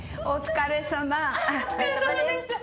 お疲れさまです。